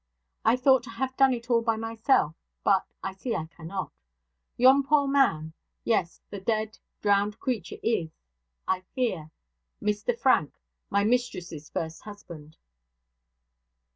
I thought to have done it all by myself, but I see I cannot. Yon poor man yes! the dead, drowned creature is, I fear, Mr Frank, my mistress's first husband!'